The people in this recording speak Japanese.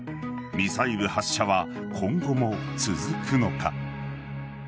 ミサイル発射は今後も続くのか。